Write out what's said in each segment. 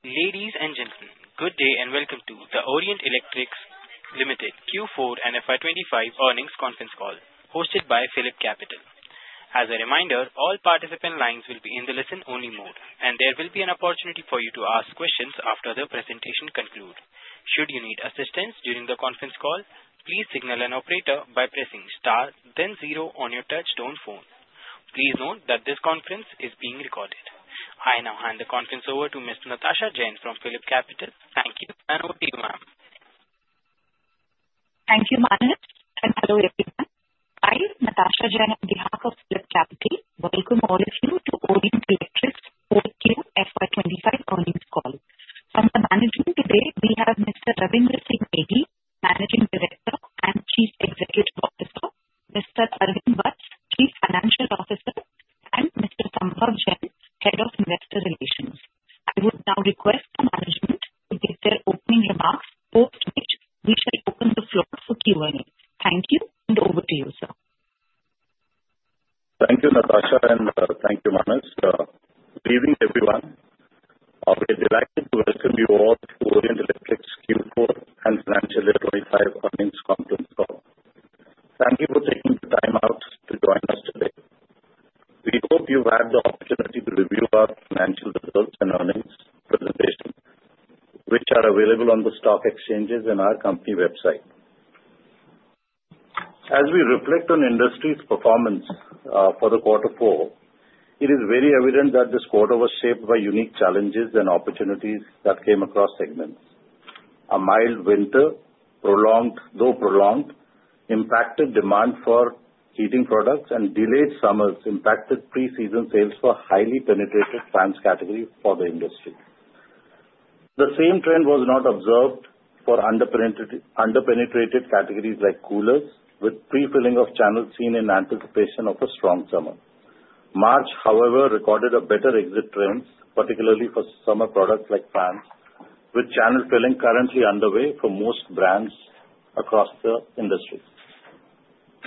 Ladies and gentlemen, good day and welcome to the Orient Electric Limited Q4 and FY 2025 earnings conference call, hosted by PhillipCapital. As a reminder, all participant lines will be in the listen-only mode, and there will be an opportunity for you to ask questions after the presentation concludes. Should you need assistance during the conference call, please signal an operator by pressing star, then zero on your touch-tone phone. Please note that this conference is being recorded. I now hand the conference over to Ms. Natasha Jain from PhillipCapital. Thank you, and over to you ma'am. Thank you, Manav, and hello everyone. I'm Natasha Jain on behalf of PhillipCapital. Welcome all of you to Orient Electric's Q4 FY 2025 earnings call. From the management today, we have Mr. Ravindra Singh Negi, Managing Director and Chief Executive Officer, Mr. Arvind Vats, Chief Financial Officer, and Mr. Sambhav Jain, Head of Investor Relations. I would now request the management to give their opening remarks post which we shall open the floor for Q&A. Thank you and over to you, sir. Thank you, Natasha, and thank you, Manav. Good evening, everyone. We're delighted to welcome you all to Orient Electric's Q4 and financial year 2025 earnings conference call. Thank you for taking the time out to join us today. We hope you've had the opportunity to review our financial results and earnings presentations, which are available on the stock exchanges and our company website. As we reflect on industry's performance for quarter four, it is very evident that this quarter was shaped by unique challenges and opportunities that came across segments. A mild winter, though prolonged, impacted demand for heating products, and delayed summers impacted pre-season sales for highly penetrated fans category for the industry. The same trend was not observed for underpenetrated categories like coolers, with pre-filling of channels seen in anticipation of a strong summer. March, however, recorded a better exit trend, particularly for summer products like fans, with channel filling currently underway for most brands across the industry.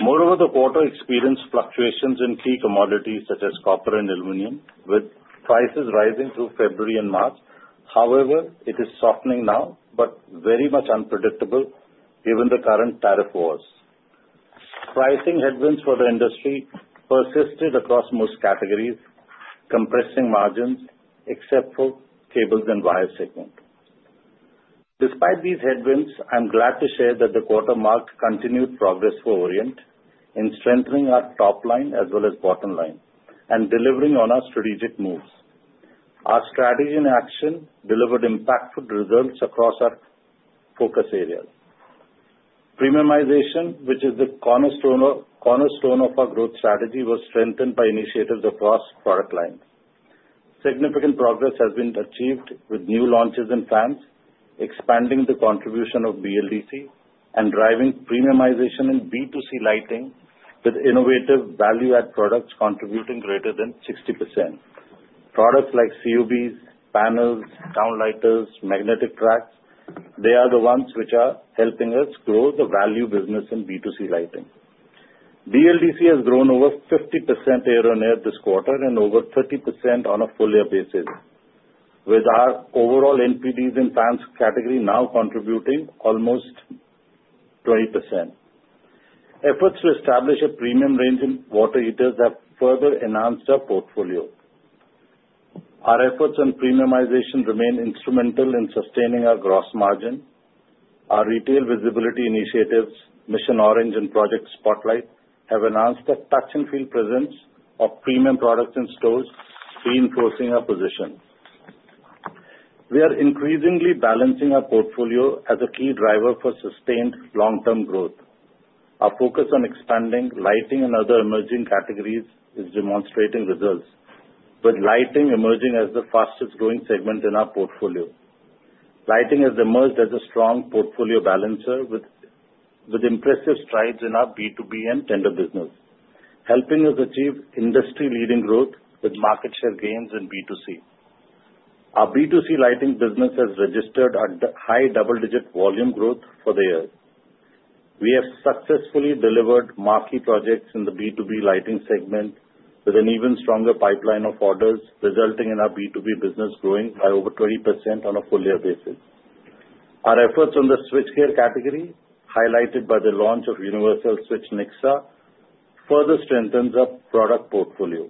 Moreover, the quarter experienced fluctuations in key commodities such as copper and aluminum, with prices rising through February and March. However, it is softening now, but very much unpredictable given the current tariff wars. Pricing headwinds for the industry persisted across most categories, compressing margins except for cables and wires segment. Despite these headwinds, I'm glad to share that the quarter marked continued progress for Orient in strengthening our top line as well as bottom line and delivering on our strategic moves. Our strategy in action delivered impactful results across our focus areas. Premiumization, which is the cornerstone of our growth strategy, was strengthened by initiatives across product lines. Significant progress has been achieved with new launches in fans, expanding the contribution of BLDC and driving premiumization in B2C lighting with innovative value-add products contributing greater than 60%. Products like COBs, panels, downlighters, magnetic tracks, they are the ones which are helping us grow the value business in B2C lighting. BLDC has grown over 50% year-on-year this quarter and over 30% on a full year basis, with our overall NPDs in fans category now contributing almost 20%. Efforts to establish a premium range in water heaters have further enhanced our portfolio. Our efforts on premiumization remain instrumental in sustaining our gross margin. Our retail visibility initiatives, Mission Orange and Project Spotlight, have enhanced the touch and feel presence of premium products in stores, reinforcing our position. We are increasingly balancing our portfolio as a key driver for sustained long-term growth. Our focus on expanding lighting and other emerging categories is demonstrating results, with Lighting emerging as the fastest-growing segment in our portfolio. Lighting has emerged as a strong portfolio balancer with impressive strides in our B2B and tender business, helping us achieve industry-leading growth with market share gains in B2C. Our B2C lighting business has registered a high double-digit volume growth for the year. We have successfully delivered marquee projects in the B2B lighting segment with an even stronger pipeline of orders, resulting in our B2B business growing by over 20% on a full year basis. Our efforts on the switchgear category, highlighted by the launch of universal switch Nixa, further strengthen our product portfolio.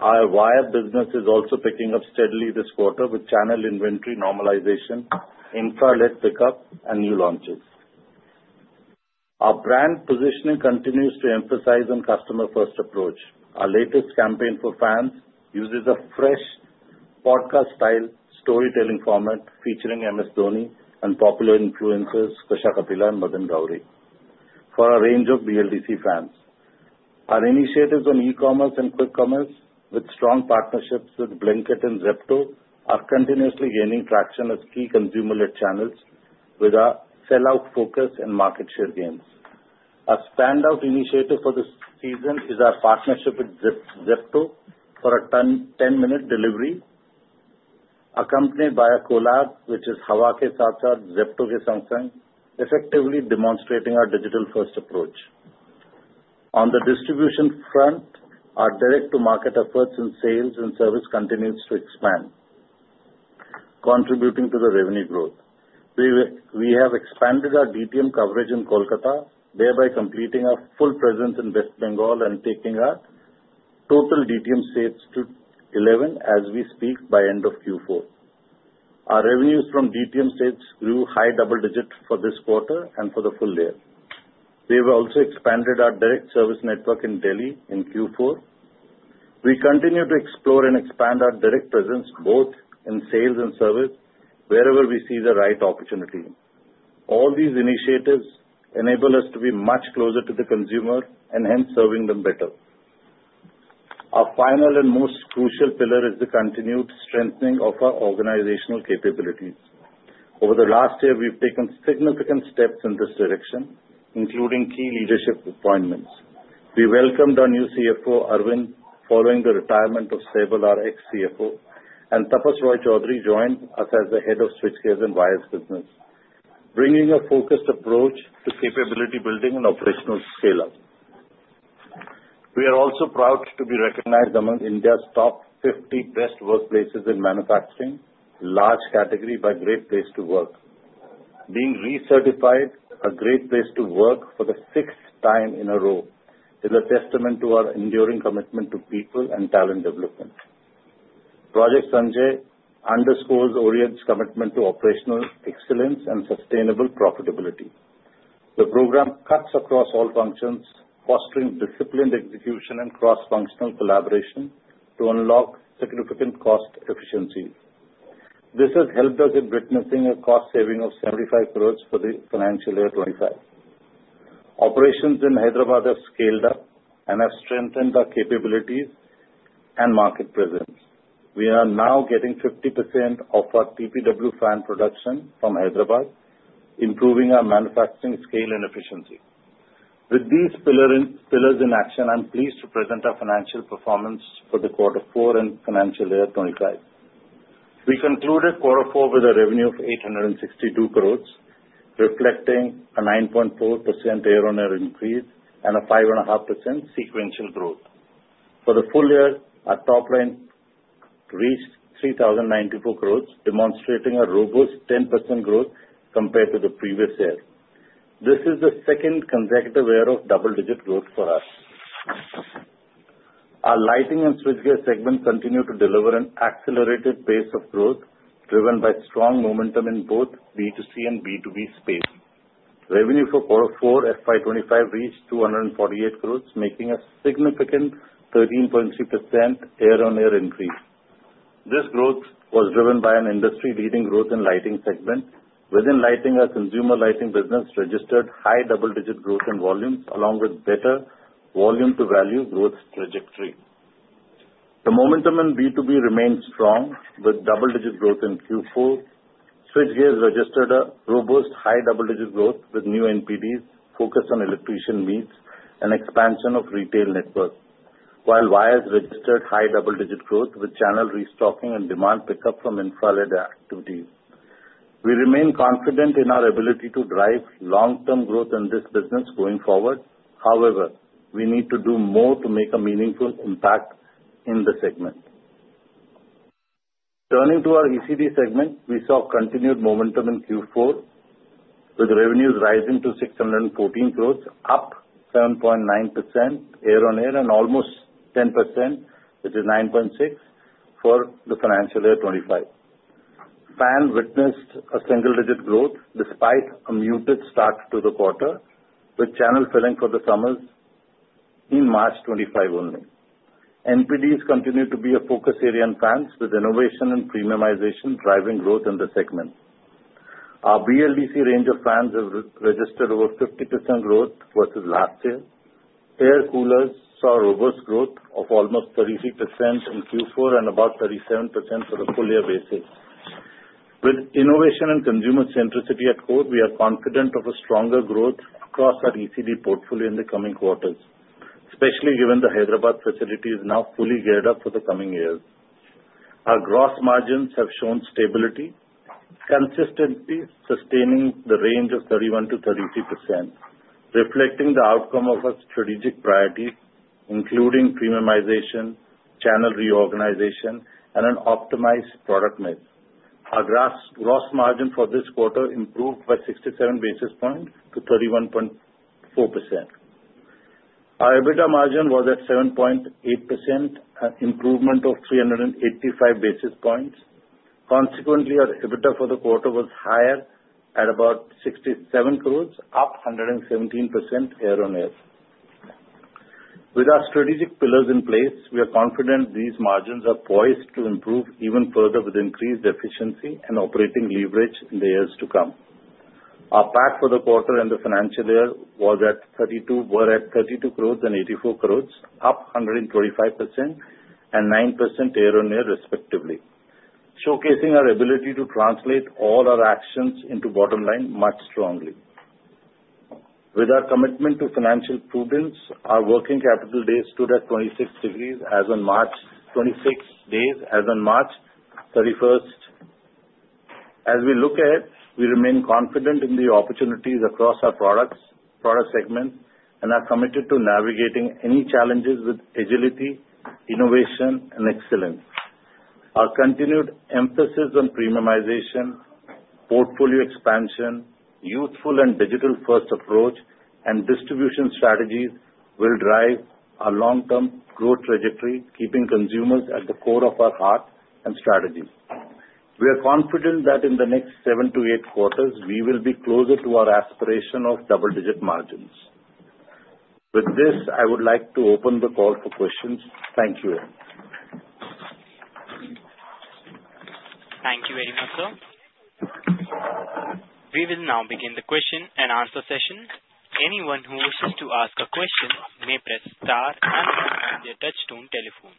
Our wire business is also picking up steadily this quarter with channel inventory normalization, infra-led pickup, and new launches. Our brand positioning continues to emphasize a customer-first approach. Our latest campaign for fans uses a fresh podcast-style storytelling format featuring M.S. Dhoni and popular influencers Kusha Kapila and Madan Gowri for a range of BLDC fans. Our initiatives on e-commerce and quick commerce, with strong partnerships with Blinkit and Zepto, are continuously gaining traction as key consumer-led channels with our sellout focus and market share gains. A standout initiative for the season is our partnership with Zepto for a 10-minute delivery, accompanied by a collab, which is Hawa ke saath saath, Zepto ke sang sang, effectively demonstrating our digital-first approach. On the distribution front, our direct-to-market efforts in sales and service continue to expand, contributing to the revenue growth. We have expanded our DTM coverage in Kolkata, thereby completing our full presence in West Bengal and taking our total DTM states to 11, as we speak, by end of Q4. Our revenues from DTM states grew high double digit for this quarter and for the full year. We have also expanded our direct service network in Delhi in Q4. We continue to explore and expand our direct presence both in sales and service wherever we see the right opportunity. All these initiatives enable us to be much closer to the consumer and hence serving them better. Our final and most crucial pillar is the continued strengthening of our organizational capabilities. Over the last year, we've taken significant steps in this direction, including key leadership appointments. We welcomed our new CFO, Arvind Vats, following the retirement of Saibal, our ex-CFO, and Tapas Roy Chowdhury joined us as the Head of Switchgears and Wires business, bringing a focused approach to capability building and operational scale-up. We are also proud to be recognized among India's top 50 best workplaces in manufacturing, large category, by Great Place To Work. Being recertified a Great Place To Work for the sixth time in a row is a testament to our enduring commitment to people and talent development. Project Sanchay underscores Orient's commitment to operational excellence and sustainable profitability. The program cuts across all functions, fostering disciplined execution and cross-functional collaboration to unlock significant cost efficiencies. This has helped us in witnessing a cost saving of 75 crore for the financial year 2025. Operations in Hyderabad have scaled up and have strengthened our capabilities and market presence. We are now getting 50% of our TPW fan production from Hyderabad, improving our manufacturing scale and efficiency. With these pillars in action, I'm pleased to present our financial performance for the quarter four and financial year 2025. We concluded quarter four with a revenue of 862 crore, reflecting a 9.4% year-on-year increase and a 5.5% sequential growth. For the full year, our top line reached 3,094 crore, demonstrating a robust 10% growth compared to the previous year. This is the second consecutive year of double-digit growth for us. Our Lighting & Switchgear segment continue to deliver an accelerated pace of growth driven by strong momentum in both B2C and B2B space. Revenue for quarter four 2025 reached 248 crore, making a significant 13.3% year-on-year increase. This growth was driven by an industry-leading growth in Lighting segment. Within Lighting, our consumer lighting business registered high double-digit growth in volumes along with better volume-to-value growth trajectory. The momentum in B2B remained strong with double-digit growth in Q4. Switchgears registered a robust high double-digit growth with new NPDs focused on electrician needs and expansion of retail network, while wires registered high double-digit growth with channel restocking and demand pickup from infra-led activity. We remain confident in our ability to drive long-term growth in this business going forward. However, we need to do more to make a meaningful impact in the segment. Turning to our ECD segment, we saw continued momentum in Q4 with revenues rising to 614 crore, up 7.9% year-on-year and almost 10%, which is 9.6%, for the financial year 2025. Fans witnessed a single-digit growth despite a muted start to the quarter, with channel filling for the summers in March 2025 only. NPDs continue to be a focus area in fans with innovation and premiumization driving growth in the segment. Our BLDC range of fans has registered over 50% growth versus last year. Air coolers saw robust growth of almost 33% in Q4 and about 37% for the full year basis. With innovation and consumer centricity at core, we are confident of a stronger growth across our ECD portfolio in the coming quarters, especially given the Hyderabad facility is now fully geared up for the coming years. Our gross margins have shown stability, consistently sustaining the range of 31%-33%, reflecting the outcome of our strategic priorities, including premiumization, channel reorganization, and an optimized product mix. Our gross margin for this quarter improved by 67 basis points to 31.4%. Our EBITDA margin was at 7.8%, an improvement of 385 basis points. Consequently, our EBITDA for the quarter was higher at about 67 crore, up 117% year-on-year. With our strategic pillars in place, we are confident these margins are poised to improve even further with increased efficiency and operating leverage in the years to come. Our PAT for the quarter and the financial year were at 32 crore and 84 crore, up 125% and 9% year-on-year, respectively, showcasing our ability to translate all our actions into bottom line much strongly. With our commitment to financial prudence, our working capital days stood at 26 days as on March 31st. As we look ahead, we remain confident in the opportunities across our product segment and are committed to navigating any challenges with agility, innovation, and excellence. Our continued emphasis on premiumization, portfolio expansion, youthful and digital-first approach, and distribution strategies will drive our long-term growth trajectory, keeping consumers at the core of our heart and strategy. We are confident that in the next seven to eight quarters, we will be closer to our aspiration of double-digit margins. With this, I would like to open the call for questions. Thank you. Thank you very much, sir. We will now begin the question-and-answer session. Anyone who wishes to ask a question may press star and two on their touchstone telephone.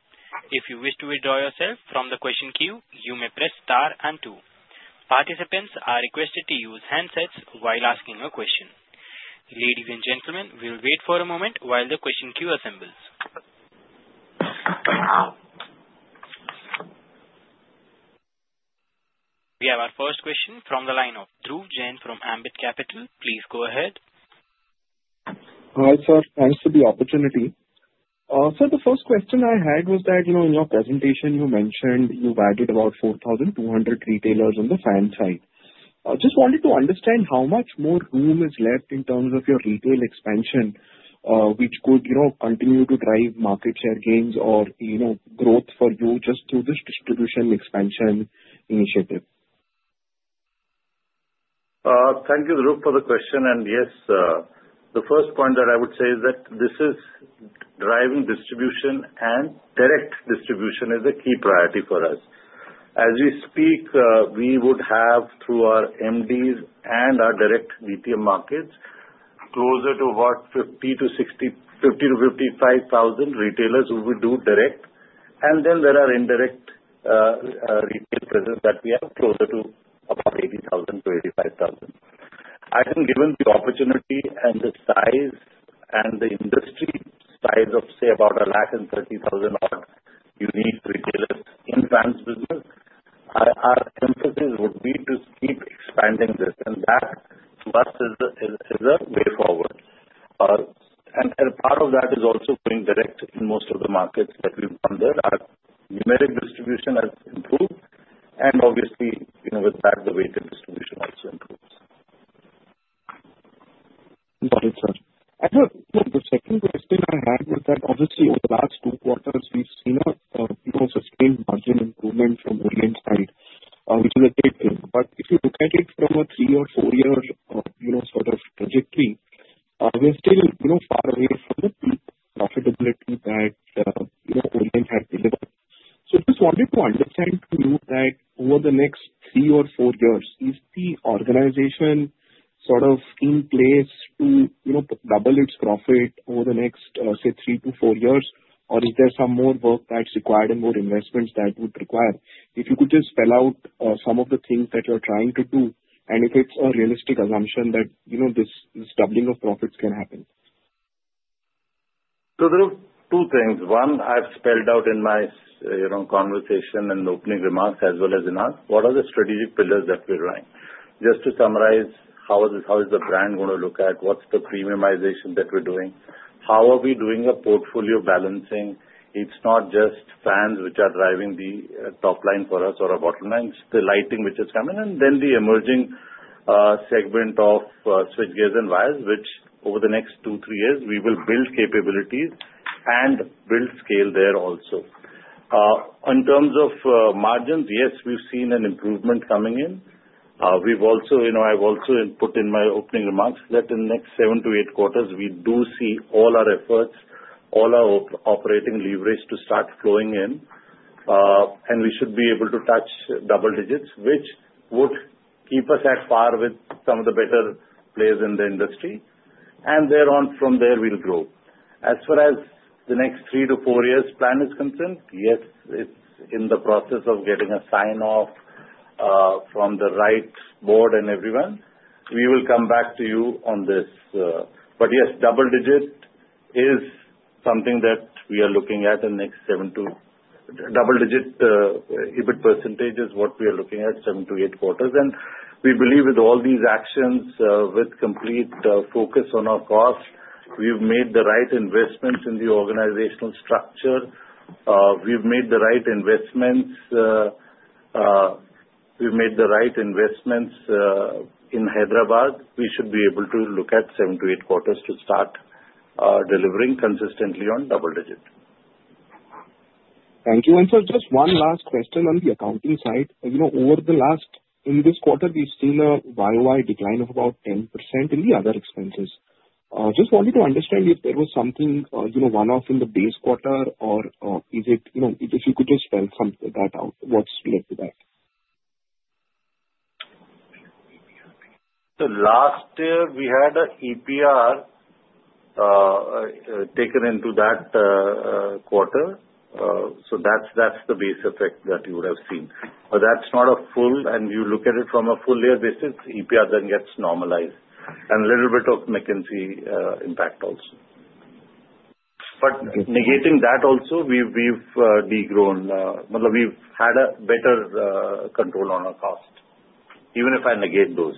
If you wish to withdraw yourself from the question queue, you may press star and two. Participants are requested to use handsets while asking a question. Ladies and gentlemen, we'll wait for a moment while the question queue assembles. We have our first question from the line of Dhruv Jain from Ambit Capital. Please go ahead. Hi, sir. Thanks for the opportunity. Sir, the first question I had was that in your presentation, you mentioned you've added about 4,200 retailers on the fan side. I just wanted to understand how much more room is left in terms of your retail expansion, which could continue to drive market share gains or growth for you just through this distribution expansion initiative. Thank you, Dhruv, for the question. Yes, the first point that I would say is that this is driving distribution, and direct distribution is a key priority for us. As we speak, we would have, through our MDs and our direct DTM markets, closer to about 50,000-55,000 retailers who would do direct. There are indirect retail presence that we have closer to about 80,000-85,000. I think given the opportunity and the size and the industry size of, say, about 1 lakh 30,000-odd unique retailers in fans business, our emphasis would be to keep expanding this. That, to us, is a way forward. Part of that is also going direct in most of the markets that [we've wondered]. Our numeric distribution has improved. Obviously, with that, the weighted distribution also improves. Got it, sir. Actually, the second question I had was that, obviously, over the last two quarters, we've seen a sustained margin improvement from Orient's side, which is a great thing. If you look at it from a three- or four-year sort of trajectory, we're still far away from the peak profitability that Orient had delivered. Just wanted to understand to you that over the next three or four years, is the organization sort of in place to double its profit over the next, say, three to four years, or is there some more work that's required and more investments that would require? If you could just spell out some of the things that you're trying to do and if it's a realistic assumption that this doubling of profits can happen. There are two things. One, I've spelled out in my conversation and opening remarks as well as in ours, what are the strategic pillars that we're running. Just to summarize: How is the brand going to look at? What's the premiumization that we're doing? How are we doing our portfolio balancing? It's not just fans which are driving the top line for us or our bottom line. It's the Lighting which is coming and then the emerging segment of switchgears and wires, which over the next two, three years, we will build capabilities and build scale there also. In terms of margins, yes, we've seen an improvement coming in. I've also put in my opening remarks that in the next seven-eight quarters, we do see all our efforts, all our operating leverage to start flowing in. We should be able to touch double digits, which would keep us at par with some of the better players in the industry. From there, we'll grow. As far as the next three to four years' plan is concerned, yes, it's in the process of getting a sign-off from the right board and everyone. We will come back to you on this. Yes, double digit is something that we are looking at in the next seven-eight quarters. Double-digit EBIT percentage is what we are looking at in seven-eight quarters. We believe with all these actions, with complete focus on our cost, we've made the right investments in the organizational structure. We've made the right investments. We've made the right investments in Hyderabad. We should be able to look at seven-eight quarters to start delivering consistently on double digit. Thank you. Sir, just one last question on the accounting side. Over the last, in this quarter, we've seen a YoY decline of about 10% in the other expenses. Just wanted to understand if there was something one-off in the base quarter or if you could just spell that out. What's led to that? Last year, we had an EPR taken into that quarter. That's the base effect that you would have seen. That's not a full, and you look at it from a full year basis, EPR then gets normalized. And a little bit of McKinsey impact also. Negating that also, we've degrown. We've had a better control on our cost, even if I negate those.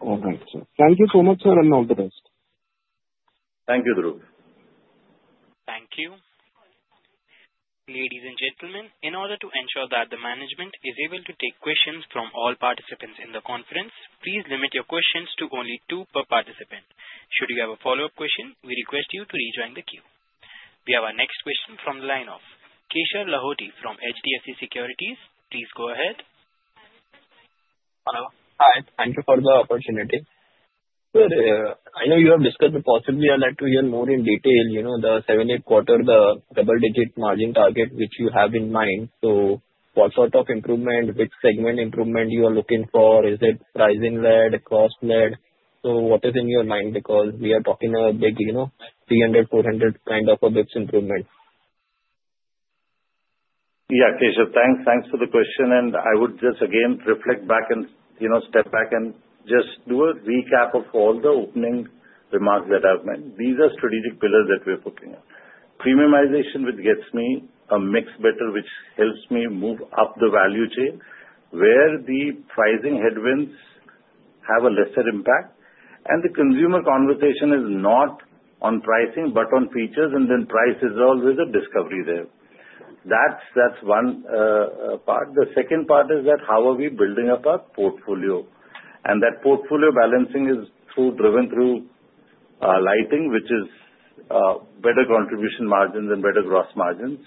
All right, sir. Thank you so much, sir, and all the best. Thank you, Dhruv. Thank you. Ladies and gentlemen, in order to ensure that the management is able to take questions from all participants in the conference, please limit your questions to only two per participant. Should you have a follow-up question, we request you to rejoin the queue. We have our next question from the line of Keshav Lahoti from HDFC Securities. Please go ahead. Hello. Hi. Thank you for the opportunity. Sir, I know you have discussed but possibly I'd like to hear more in detail, the seven, eight quarter, the double-digit margin target which you have in mind, what sort of improvement, which segment improvement you are looking for. Is it pricing-led, cost-led? What is in your mind? Because we are talking a big 300, 400 kind of a basis improvement. Yeah, Keshav, thanks for the question. I would just, again, reflect back and step back and just do a recap of all the opening remarks that I've made. These are strategic pillars that we're focusing on. Premiumization, which gets me a mix better, which helps me move up the value chain where the pricing headwinds have a lesser impact. The consumer conversation is not on pricing, but on features, and then price is always a discovery there. That's one part. The second part is that how are we building up our portfolio. That portfolio balancing is driven through Lighting, which is better contribution margins and better gross margins,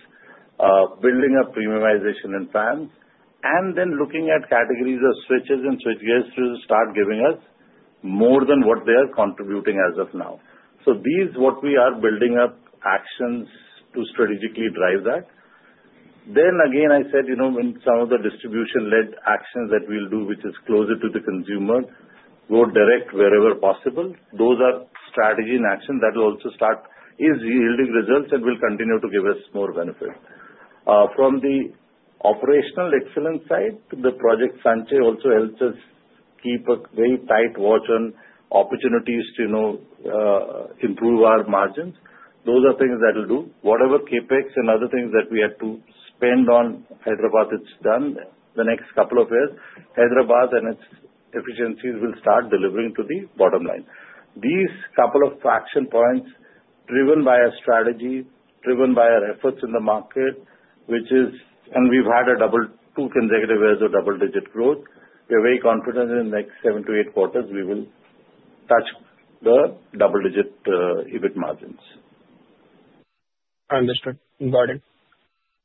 building up premiumization in fans, and then looking at categories of switches and switchgears to start giving us more than what they are contributing as of now. These are what we are building up actions to strategically drive that. I said when some of the distribution-led actions that we'll do, which is closer to the consumer, go direct wherever possible, those are strategy and action that will also start yielding results and will continue to give us more benefit. From the operational excellence side, the Project Sanchay also helps us keep a very tight watch on opportunities to improve our margins. Those are things that we'll do. Whatever CapEx and other things that we have to spend on. Hyderabad, it's done the next couple of years. Hyderabad and its efficiencies will start delivering to the bottom line. These couple of action points driven by our strategy, driven by our efforts in the market, which is, and we've had two consecutive years of double-digit growth. We're very confident in the next seven-eight quarters, we will touch the double-digit EBIT margins. Understood. Got it.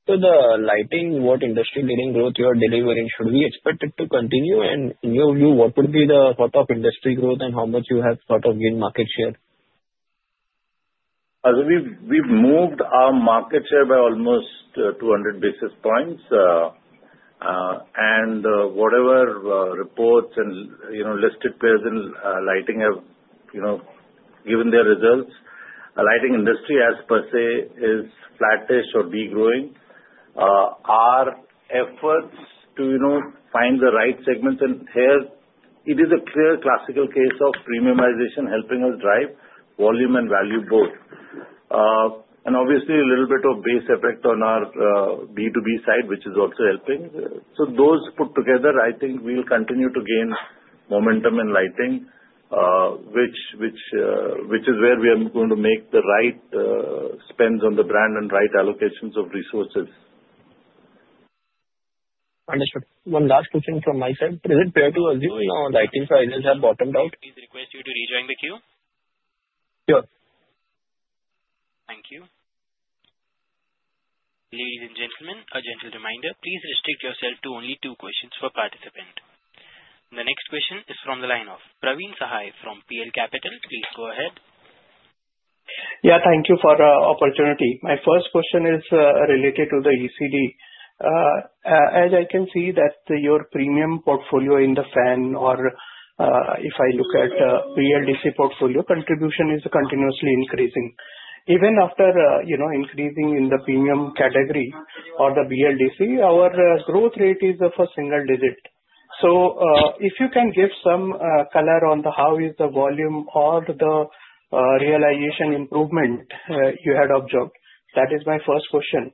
The Lighting, what industry-leading growth you are delivering, should we expect it to continue? In your view, what would be the sort of industry growth? And how much you have sort of gained market share. We have moved our market share by almost 200 basis points. Whatever reports and listed players in lighting have given their results, the lighting industry as per se is flattish or degrowing. Our efforts to find the right segments, and here, it is a clear classical case of premiumization helping us drive volume and value both. Obviously, a little bit of base effect on our B2B side, which is also helping. Those put together, I think we will continue to gain momentum in Lighting, which is where we are going to make the right spends on the brand and right allocations of resources. Understood. One last question from my side. Is it fair to assume our lighting sizes have bottomed out? request you to rejoin the queue. Sure. Thank you. Ladies and gentlemen, a gentle reminder, please restrict yourself to only two questions per participant. The next question is from the line of Praveen Sahay from PL Capital. Please go ahead. Yeah, thank you for the opportunity. My first question is related to the ECD. As I can see that your premium portfolio in the fan, or if I look at BLDC portfolio, contribution is continuously increasing. Even after increasing in the premium category or the BLDC, our growth rate is of a single digit. If you can give some color on how is the volume or the realization improvement you had observed, that is my first question.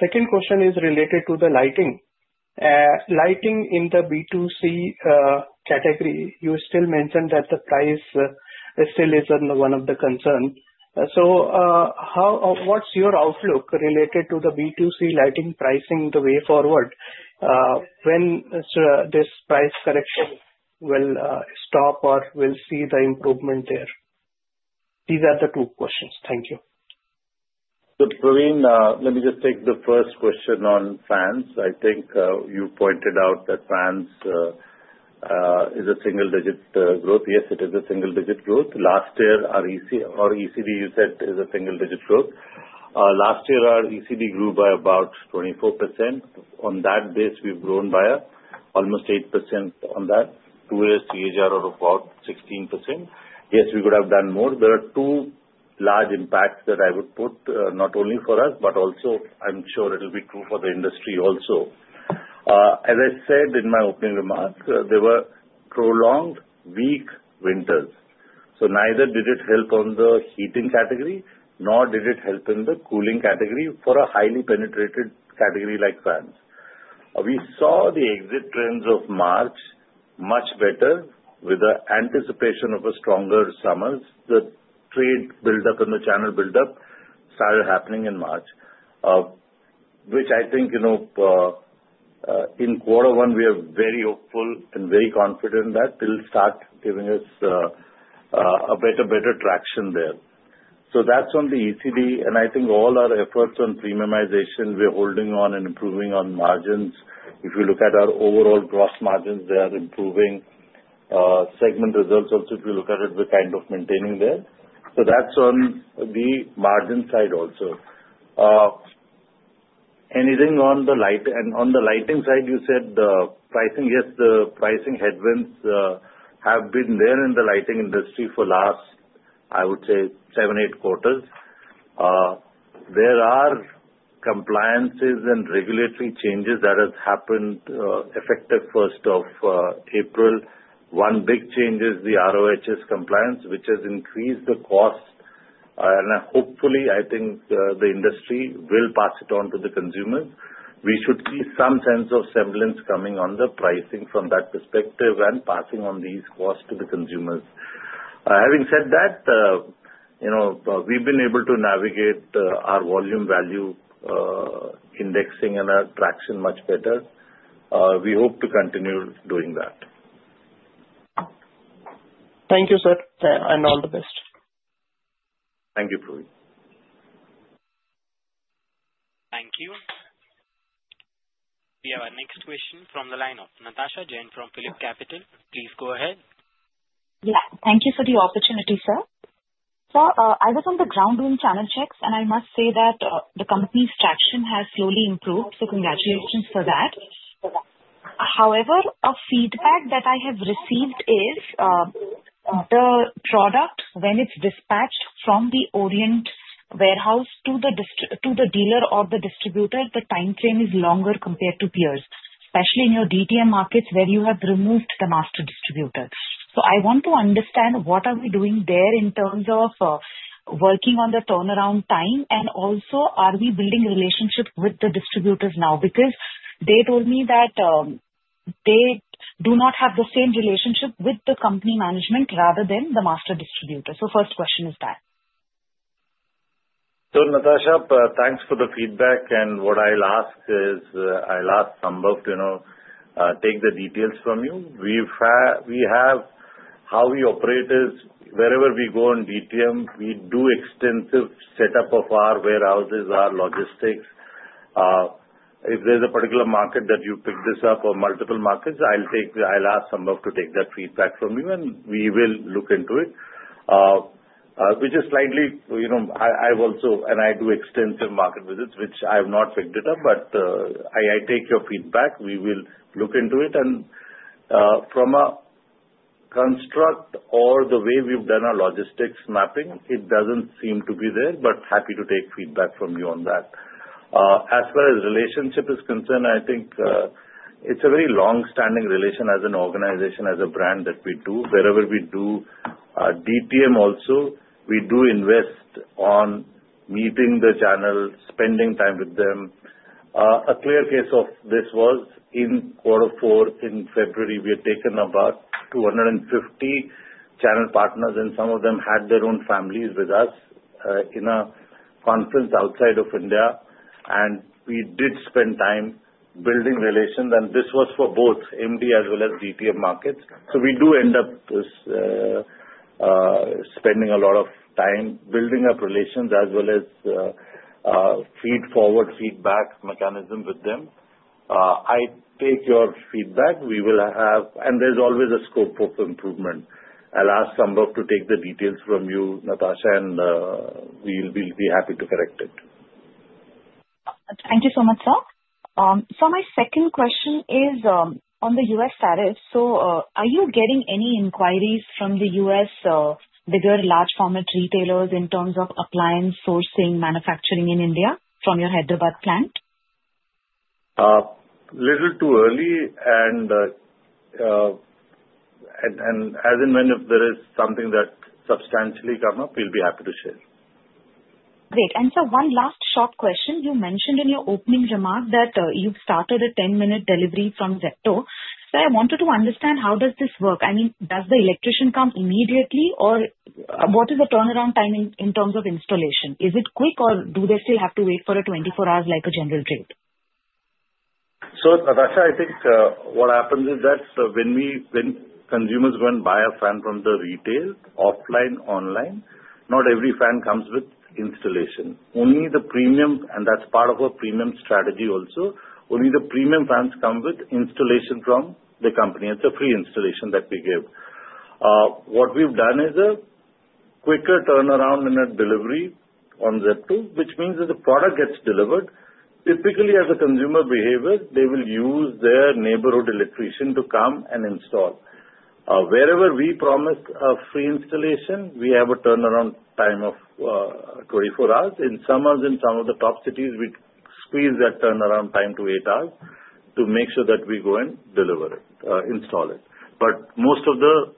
Second question is related to the lighting. Lighting in the B2C category, you still mentioned that the price still is one of the concerns. What is your outlook related to the B2C lighting pricing the way forward? When this price correction will stop or we will see the improvement there. These are the two questions. Thank you. Praveen, let me just take the first question on fans. I think you pointed out that fans is a single-digit growth. Yes, it is a single-digit growth. Last year, our ECD, you said, is a single-digit growth. Last year, our ECD grew by about 24%. On that base, we have grown by almost 8% on that. Two-year CAGR of about 16%. Yes, we could have done more. There are two large impacts that I would put, not only for us, but also, I am sure it will be true for the industry also. As I said in my opening remarks, there were prolonged weak winters. Neither did it help on the heating category, nor did it help in the cooling category for a highly penetrated category like fans. We saw the exit trends of March much better with the anticipation of a stronger summer. The trade buildup and the channel buildup started happening in March, which I think in quarter one, we are very hopeful and very confident that they'll start giving us a better traction there. That is on the ECD. I think all our efforts on premiumization, we're holding on and improving on margins. If you look at our overall gross margins, they are improving. Segment results also, if you look at it, we're kind of maintaining there. That is on the margin side also. Anything on the lighting side, you said the pricing, yes, the pricing headwinds have been there in the lighting industry for the last, I would say, seven, eight quarters. There are compliances and regulatory changes that have happened effective 1st of April. One big change is the RoHS compliance, which has increased the cost. Hopefully, I think the industry will pass it on to the consumers. We should see some sense of semblance coming on the pricing from that perspective and passing on these costs to the consumers. Having said that, we've been able to navigate our volume-value indexing and our traction much better. We hope to continue doing that. Thank you, sir. All the best. Thank you, Praveen. Thank you. We have our next question from the line of Natasha Jain from PhillipCapital. Please go ahead. Yeah. Thank you for the opportunity, sir. I was on the ground doing channel checks, and I must say that the company's traction has slowly improved. Congratulations for that. However, a feedback that I have received is the product, when it's dispatched from the Orient warehouse to the dealer or the distributor, the timeframe is longer compared to peers, especially in your DTM markets where you have removed the master distributor. I want to understand. What are we doing there in terms of working on the turnaround time, and also, are we building relationships with the distributors now? Because they told me that they do not have the same relationship with the company management rather than the master distributor. First question is that. Natasha, thanks for the feedback. What I'll ask is I'll ask Sambhav to take the details from you. We have how we operate is wherever we go in DTM. We do extensive setup of our warehouses, our logistics. If there's a particular market that you picked this up or multiple markets, I'll ask Sambhav to take that feedback from you, and we will look into it, which is slightly I've also, and I do extensive market visits, which I have not picked it up, but I take your feedback. We will look into it. From a construct or the way we've done our logistics mapping, it doesn't seem to be there, but happy to take feedback from you on that. As far as relationship is concerned, I think it's a very long-standing relation as an organization, as a brand that we do. Wherever we do DTM also, we do invest on meeting the channel, spending time with them. A clear case of this was in quarter four, in February. We had taken about 250 channel partners, and some of them had their own families with us in a conference outside of India. We did spend time building relations, and this was for both MD as well as DTM markets. We do end up spending a lot of time building up relations as well as feed-forward feedback mechanism with them. I take your feedback. We will have, and there's always a scope of improvement. I'll ask Sambhav to take the details from you, Natasha, and we'll be happy to correct it. Thank you so much, sir. My second question is on the U.S. tariffs. Are you getting any inquiries from the U.S. bigger large-format retailers in terms of appliance sourcing, manufacturing in India from your Hyderabad plant? A little too early. As and when if there is something that substantially comes up, we'll be happy to share. Great. One last short question. You mentioned in your opening remark that you've started a 10-minute delivery from Zepto. I wanted to understand, how does this work? I mean, does the electrician come immediately, or what is the turnaround time in terms of installation? Is it quick, or do they still have to wait for 24 hours like a general trade? Natasha, I think what happens is that when consumers go and buy a fan from the retail, offline, online, not every fan comes with installation, only the premium. And that's part of our premium strategy also. Only the premium fans come with installation from the company. It's a free installation that we give. What we've done is a quicker turnaround in our delivery on Zepto, which means as the product gets delivered, typically, as a consumer behavior, they will use their neighborhood electrician to come and install. Wherever we promise a free installation, we have a turnaround time of 24 hours. In summers, in some of the top cities, we squeeze that turnaround time to eight hours to make sure that we go and deliver it, install it. Most of the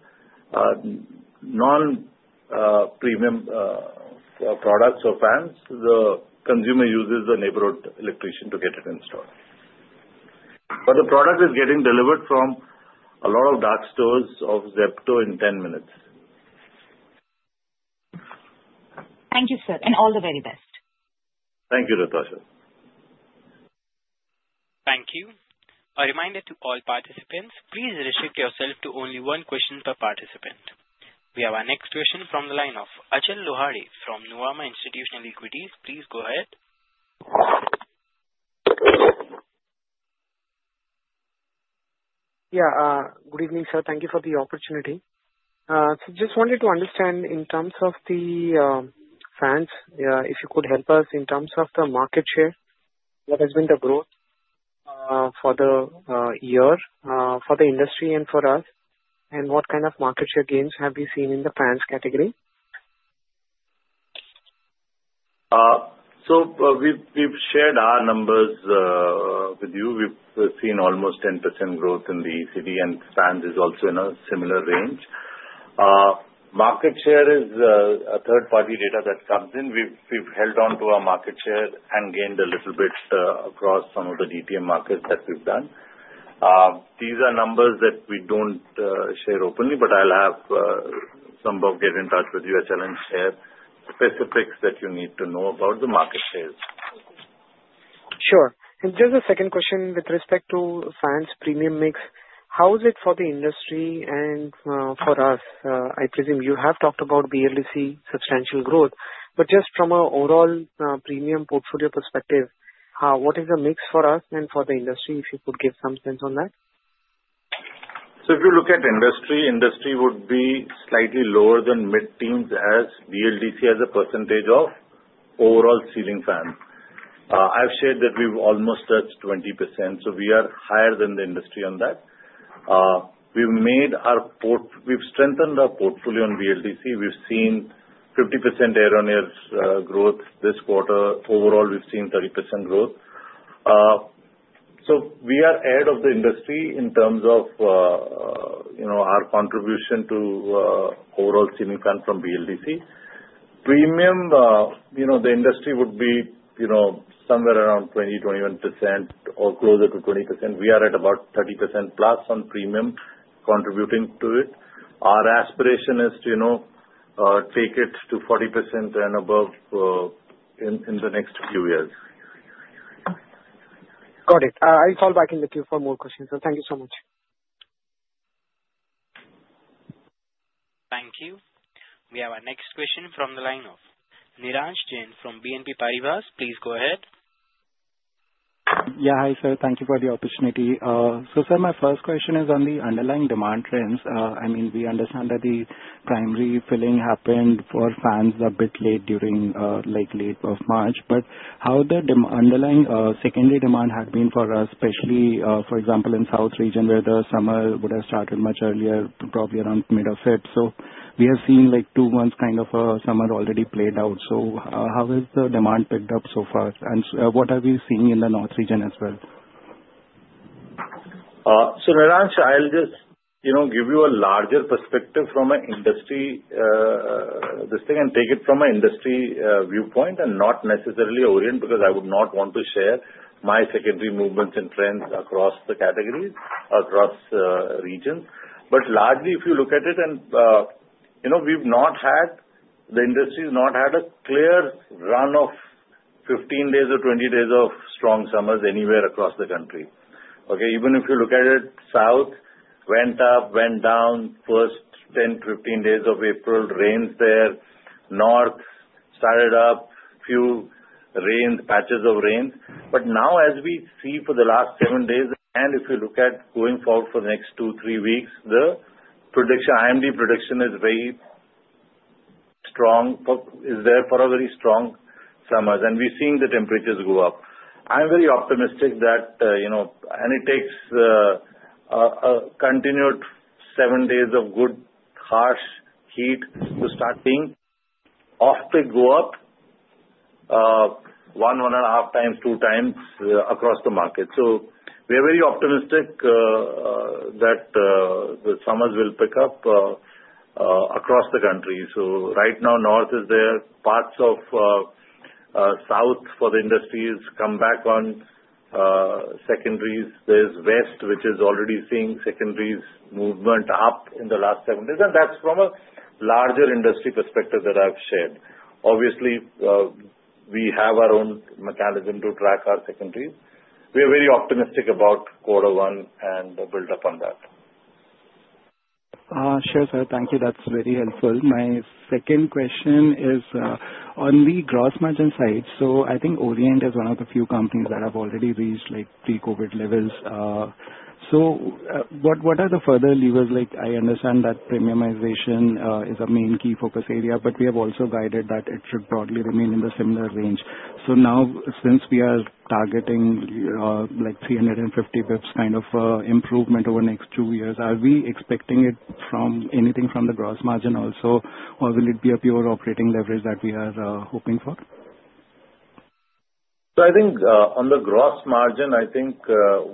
non-premium products or fans, the consumer uses the neighborhood electrician to get it installed. The product is getting delivered from a lot of dark stores of Zepto in 10 minutes. Thank you, sir. All the very best. Thank you, Natasha. Thank you. A reminder to all participants, please restrict yourself to only one question per participant. We have our next question from the line of Achal Lohade from Nuvama Institutional Equities. Please go ahead. Yeah. Good evening, sir. Thank you for the opportunity. Just wanted to understand in terms of the fans, if you could help us in terms of the market share. What has been the growth for the year for the industry and for us, and what kind of market share gains have we seen in the fans category? We have shared our numbers with you. We have seen almost 10% growth in the ECD, and fans is also in a similar range. Market share is a third-party data that comes in. We have held on to our market share and gained a little bit across some of the DTM markets that we have done. These are numbers that we do not share openly, but I'll have Sambhav get in touch with you and share specifics that you need to know about the market shares. Sure. Just a second question with respect to fans premium mix. How is it for the industry and for us? I presume you have talked about BLDC substantial growth, but just from an overall premium portfolio perspective, what is the mix for us and for the industry, if you could give some sense on that? If you look at industry, industry would be slightly lower than mid-teens as BLDC as a percentage of overall ceiling fan. I've shared that we've almost touched 20%. We are higher than the industry on that. We've strengthened our portfolio on BLDC. We've seen 50% year-on-year growth this quarter. Overall, we've seen 30% growth. We are ahead of the industry in terms of our contribution to overall ceiling fan from BLDC. Premium, the industry would be somewhere around 20%, 21% or closer to 20%. We are at about 30%+ on premium contributing to it. Our aspiration is to take it to 40% and above in the next few years. Got it. I'll call back in the queue for more questions. Thank you so much. Thank you. We have our next question from the line of Nirransh Jain from BNP Paribas. Please go ahead. Yeah. Hi, sir. Thank you for the opportunity. Sir, my first question is on the underlying demand trends. I mean, we understand that the primary filling happened for fans a bit late during late March, but how the underlying secondary demand had been for us, especially, for example, in the South region where the summer would have started much earlier, probably around mid-February. We have seen two months kind of a summer already played out. How has the demand picked up so far? What are we seeing in the North region as well? Nirransh, I'll just give you a larger perspective from an industry this thing and take it from an industry viewpoint and not necessarily Orient because I would not want to share my secondary movements and trends across the categories across regions. Largely, if you look at it, and we've not had, the industry has not had a clear run of 15 days or 20 days of strong summers anywhere across the country, okay? Even if you look at it, South went up, went down first 10-15 days of April, rains there. North started up, few rains, patches of rain. Now, as we see for the last seven days, and if you look at going forward for the next two, three weeks, the IMD prediction is very strong, is there for a very strong summers. We're seeing the temperatures go up. I'm very optimistic that, and it takes a continued seven days of good harsh heat to start seeing offtake go up 1x, 1.5x, 2x across the market. We are very optimistic that the summers will pick up across the country. Right now, North is there. Parts of South for the industries come back on secondaries. There is West, which is already seeing secondaries movement up in the last seven days. That is from a larger industry perspective that I have shared. Obviously, we have our own mechanism to track our secondaries. We are very optimistic about quarter one and build up on that. Sure, sir. Thank you. That is very helpful. My second question is on the gross margin side. I think Orient is one of the few companies that have already reached pre-COVID levels. What are the further levers? I understand that premiumization is a main key focus area, but we have also guided that it should probably remain in the similar range. Now, since we are targeting 350 basis points kind of improvement over the next two years, are we expecting it from anything from the gross margin also, or will it be a pure operating leverage that we are hoping for? I think on the gross margin,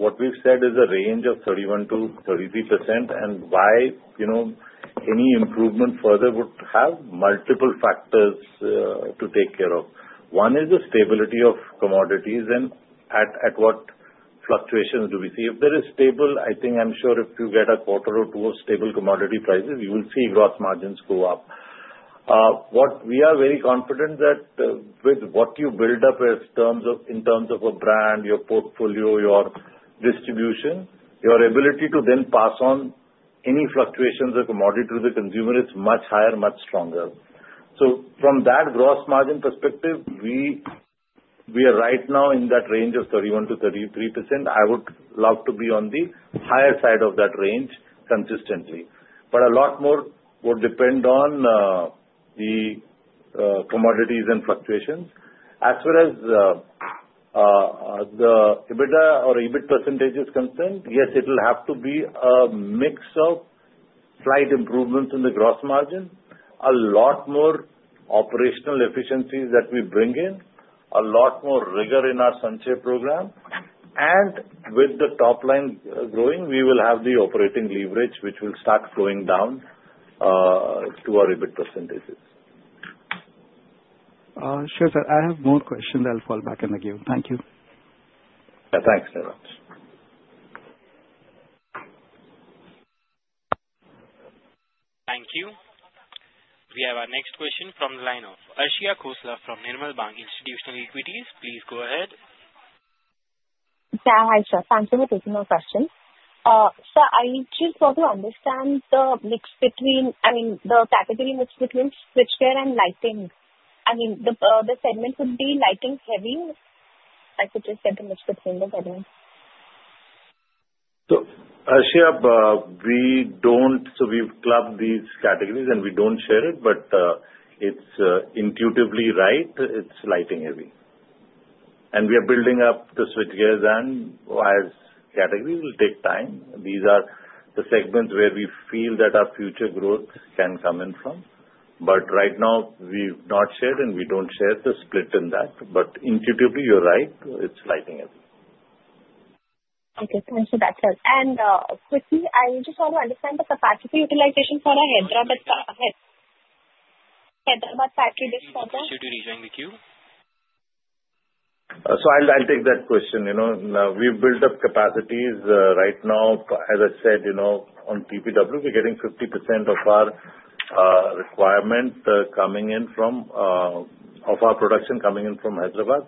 what we've said is a range of 31%-33% and why any improvement further would have multiple factors to take care of. One is the stability of commodities and at what fluctuations do we see. If there is stable, I think I'm sure if you get a quarter or two of stable commodity prices, you will see gross margins go up. What we are very confident, that with what you build up in terms of a brand, your portfolio, your distribution, your ability to then pass on any fluctuations of commodity to the consumer is much higher, much stronger. From that gross margin perspective, we are right now in that range of 31%-33%. I would love to be on the higher side of that range consistently. A lot more would depend on the commodities and fluctuations. As far as the EBITDA or EBIT percentage is concerned, yes, it will have to be a mix of slight improvements in the gross margin, a lot more operational efficiencies that we bring in, a lot more rigor in our Sanchay program. With the top line growing, we will have the operating leverage, which will start flowing down to our EBIT percentages. Sure, sir. I have more questions. I'll fall back in the queue. Thank you. Yeah. Thanks, Nirransh. Thank you. We have our next question from the line of Arshia Khosla from Nirmal Bang Institutional Equities. Please go ahead. Yeah. Hi, sir. Thanks for taking my question. Sir, I just want to understand the mix between, I mean, the category mix between switchgear and lighting. I mean the segment would be lighting heavy in the segments. Arshia, we don't, so we've clubbed these categories, and we don't share it, but it's intuitively right. It's lighting heavy. We are building up the switchgears and wires category. It will take time. These are the segments where we feel that our future growth can come in from. Right now, we've not shared, and we don't share the split in that. Intuitively, you're right. It's lighting heavy. Okay. Quickly, I just want to understand the capacity utilization for our Hyderabad. to rejoin the queue? I'll take that question. We've built up capacities right now. As I said, on TPW, we're getting 50% of our requirement coming in from, of our production coming in from Hyderabad.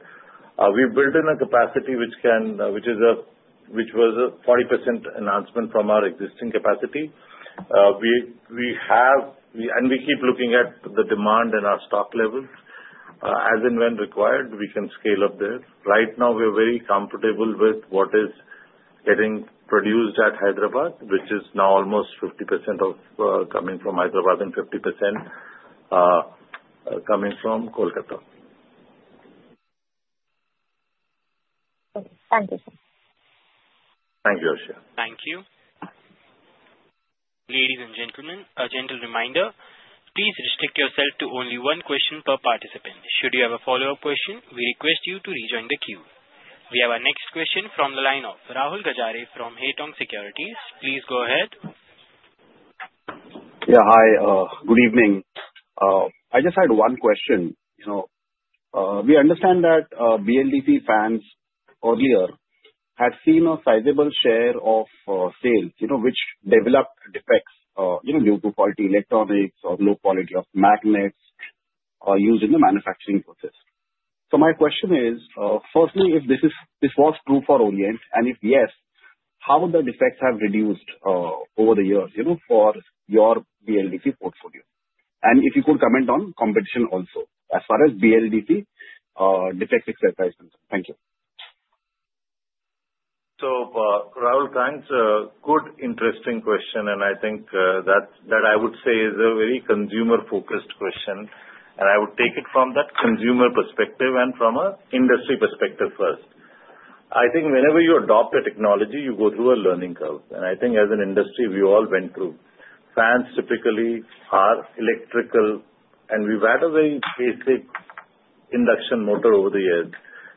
We've built in a capacity which is a 40% enhancement from our existing capacity. We keep looking at the demand and our stock levels. As and when required, we can scale up there. Right now, we're very comfortable with what is getting produced at Hyderabad, which is now almost 50% coming from Hyderabad and 50% coming from Kolkata. Thank you. Thank you, Arshia. Thank you. Ladies and gentlemen, a gentle reminder. Please restrict yourself to only one question per participant. Should you have a follow-up question, we request you to rejoin the queue. We have our next question from the line of Rahul Gajare from Haitong Securities. Please go ahead. Yeah. Hi. Good evening. I just had one question. We understand that BLDC fans earlier had seen a sizable share of sales, which developed defects due to faulty electronics or low quality of magnets used in the manufacturing process. My question is, firstly, if this was true for Orient. And if yes, how would the defects have reduced over the years for your BLDC portfolio? If you could comment on competition also as far as BLDC or defects, et cetera is concerned. Thank you. Rahul, thanks. Good, interesting question. I think that I would say is a very consumer-focused question. I would take it from that consumer perspective and from an industry perspective first. I think whenever you adopt a technology, you go through a learning curve. I think as an industry, we all went through. Fans typically are electrical, and we've had a very basic induction motor over the years.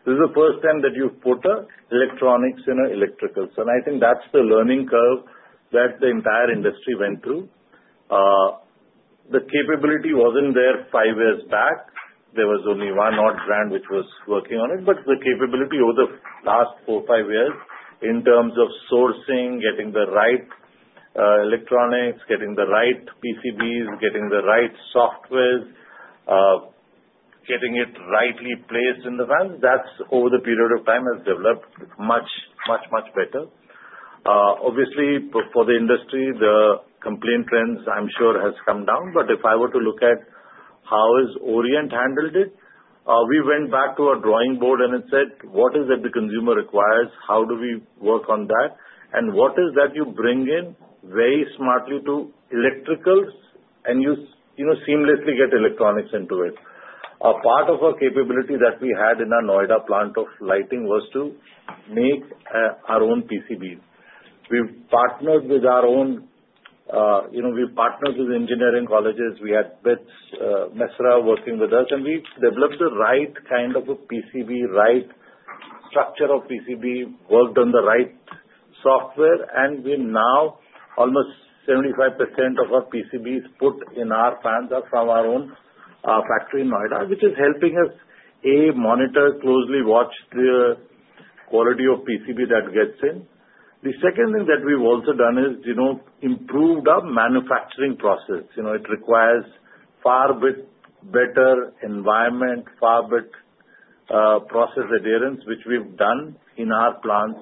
This is the first time that you've put electronics in electricals. I think that's the learning curve that the entire industry went through. The capability wasn't there five years back. There was only one odd brand which was working on it. The capability over the last four, five years in terms of sourcing, getting the right electronics, getting the right PCBs, getting the right software, getting it rightly placed in the fans, that over the period of time has developed much, much, much better. Obviously, for the industry, the complaint trends, I'm sure, have come down. If I were to look at how has Orient handled it, we went back to our drawing board, and it said, "What is it the consumer requires? How do we work on that?" What is that you bring in very smartly to electricals, and you seamlessly get electronics into it. A part of our capability that we had in our Noida plant of lighting was to make our own PCBs. We partnered with our own, we partnered with engineering colleges. We had BIT Mesra working with us. And we've developed the right kind of a PCB, right structure of PCB, worked on the right software. Now, almost 75% of our PCBs put in our fans are from our own factory in Noida, which is helping us, a, monitor, closely watch the quality of PCB that gets in. The second thing that we've also done is improved our manufacturing process. It requires far better environment, far better process adherence, which we've done in our plants,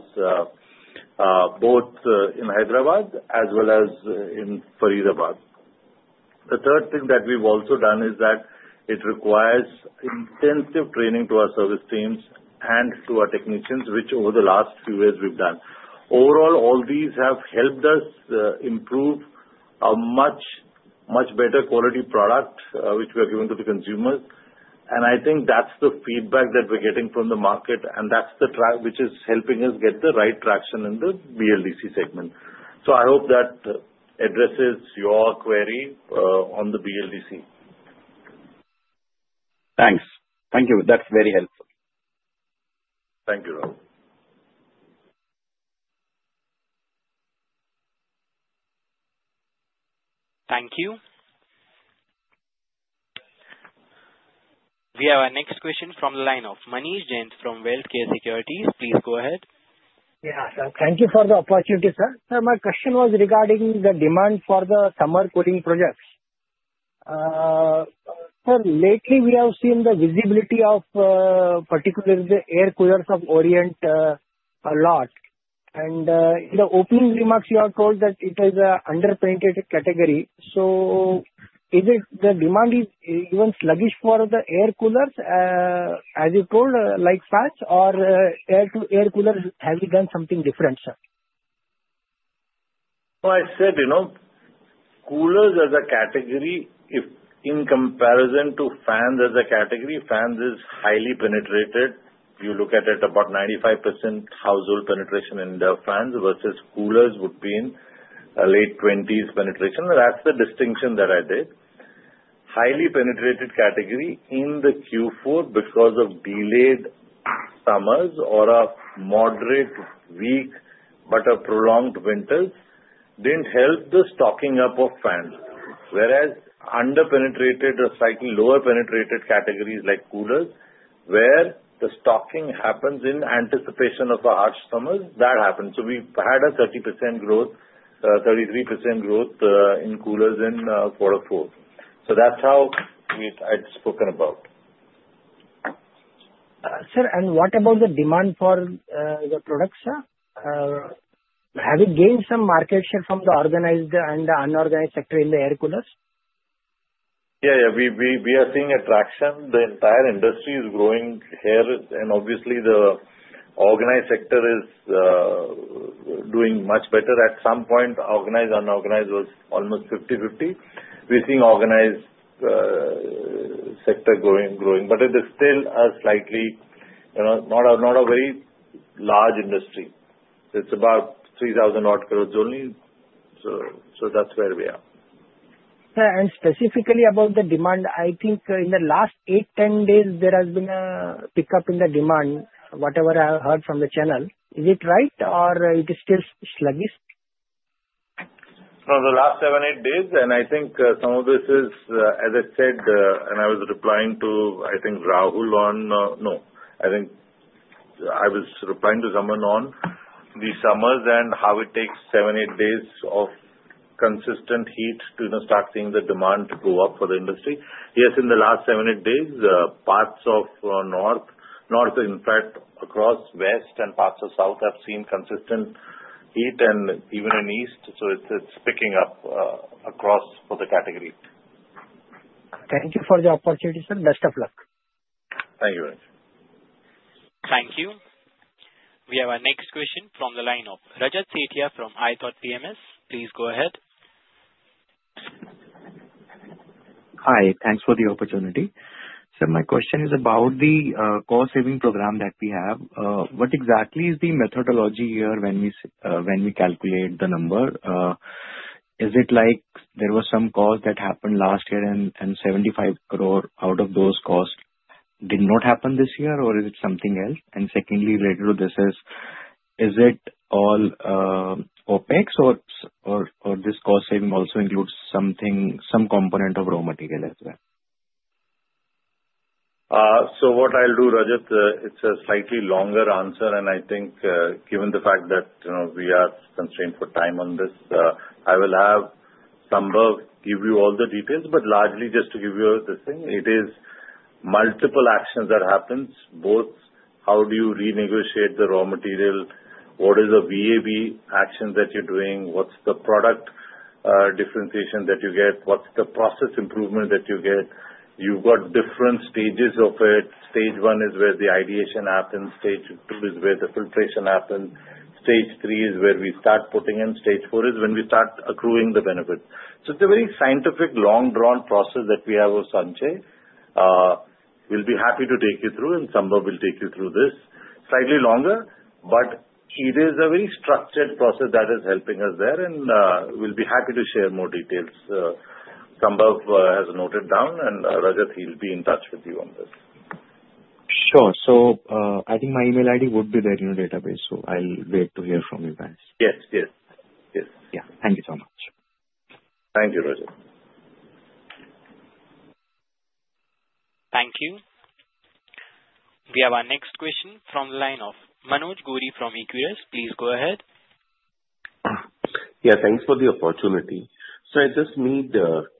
both in Hyderabad as well as in Faridabad. The third thing that we've also done is that it requires intensive training to our service teams and to our technicians, which over the last few years we've done. Overall, all these have helped us improve a much, much better-quality product which we are giving to the consumers. I think that's the feedback that we're getting from the market, and that's the track which is helping us get the right traction in the BLDC segment. I hope that addresses your query on the BLDC. Thanks. Thank you. That's very helpful. Thank you, Rahul. Thank you. We have our next question from the line of [Manish Jain] from [Wealthcare Securities]. Please go ahead. Yeah. Thank you for the opportunity, sir. My question was regarding the demand for the summer cooling products. Sir, lately, we have seen the visibility of particularly the air coolers of Orient a lot. In the opening remarks, you have told that it is an underpenetrated category. Is it the demand is even sluggish for the air coolers as you told, like fans? Or air coolers, have you done something different, sir? I said coolers as a category, in comparison to fans as a category, fans is highly penetrated, if you look at it: about 95% household penetration in the fans, versus coolers would be in late 20s penetration. That is the distinction that I did. Highly penetrated category in the Q4 because of delayed summers or a moderate weak but a prolonged winters did not help the stocking up of fans, whereas underpenetrated or slightly lower-penetrated categories like coolers, where the stocking happens in anticipation of a harsh summers, that happens. We had a 30% growth, 33% growth, in coolers in quarter four. That is how I had spoken about. Sir, and what about the demand for the products, sir? Have you gained some market share from the organized and the unorganized sector in the air coolers? Yeah. Yeah. We are seeing a traction. The entire industry is growing here. Obviously, the organized sector is doing much better. At some point, organized and unorganized was almost 50/50. We are seeing organized sector growing. It is still a slightly not a very large industry. It is about 3,000-odd crore only. That is where we are. Specifically about the demand. I think in the last eight, 10 days, there has been a pickup in the demand, whatever I heard from the channel. Is it right, or it is still sluggish? From the last seven, eight days, and I think some of this is, as I said, and I was replying to, I think, Rahul on no. I think I was replying to someone on the summers and how it takes seven, eight days of consistent heat to start seeing the demand go up for the industry. Yes, in the last seven, eight days, parts of North, in fact, across West and parts of South have seen consistent heat, and even in East. It is picking up across for the category. Thank you for the opportunity, sir. Best of luck. Thank you, [Manish]. Thank you. We have our next question from the line of Rajat Setiya from ithought PMS. Please go ahead. Hi. Thanks for the opportunity. My question is about the cost-saving program that we have. What exactly is the methodology here when we calculate the number? Is it like there was some cost that happened last year, and 75 crore out of those costs did not happen this year, or is it something else? Secondly, related to this is, is it all OpEx, or does cost saving also include some component of raw material as well? What I'll do, Rajat, it's a slightly longer answer. I think given the fact that we are constrained for time on this, I will have Sambhav give you all the details. Largely, just to give you this thing, it is multiple actions that happen, both how do you renegotiate the raw material. What is the VAVE action that you're doing? What's the product differentiation that you get? What's the process improvement that you get? You've got different stages of it. Stage one is where the ideation happens. Stage two is where the filtration happens. Stage three is where we start putting in. Stage four is when we start accruing the benefits. It is a very scientific, long-drawn process that we have with Sanchay we will be happy to take you through, and Sambhav will take you through this. Slightly longer, but it is a very structured process that is helping us there. We will be happy to share more details. Sambhav has noted down, and Rajat, he will be in touch with you on this. Sure. I think my email ID would be there in your database. I will wait to hear from you guys. Yes. Yes. Yes. Thank you so much. Thank you, Rajat. Thank you. We have our next question from the line of Manoj Gori from Equirus. Please go ahead. Yeah. Thanks for the opportunity. I just need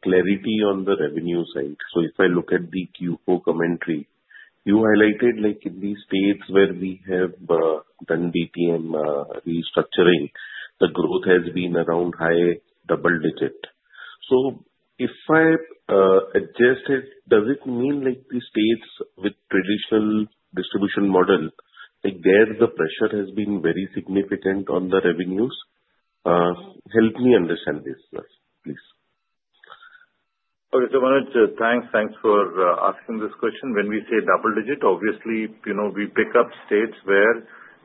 clarity on the revenue side. If I look at the Q4 commentary, you highlighted in the states where we have done DTM restructuring, the growth has been around high double digit. If I adjust it, does it mean the states with traditional distribution model, there the pressure has been very significant on the revenues? Help me understand this, please. Okay. Manoj, thanks. Thanks for asking this question. When we say double digit, obviously, we pick up states where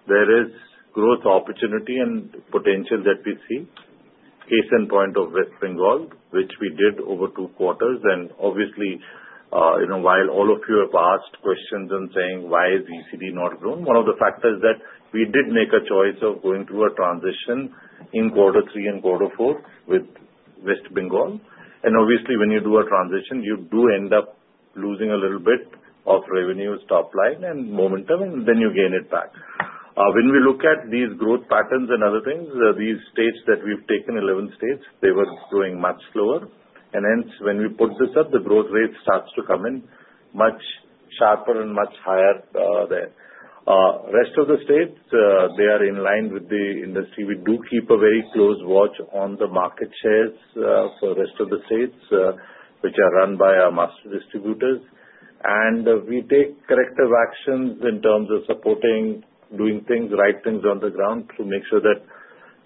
there is growth opportunity and potential that we see. Case in point of West Bengal, which we did over two quarters. Obviously, while all of you have asked questions and saying, "Why has ECD not grown?" one of the facts is that we did make a choice of going through a transition in quarter three and quarter four with West Bengal. Obviously, when you do a transition, you do end up losing a little bit of revenues top line and momentum, and then you gain it back. When we look at these growth patterns and other things, these states that we've taken, 11 states, they were growing much slower. Hence, when we put this up, the growth rate starts to come in much sharper and much higher there. Rest of the states, they are in line with the industry. We do keep a very close watch on the market shares for the rest of the states which are run by our master distributors. We take corrective actions in terms of supporting, doing things right, things on the ground, to make sure that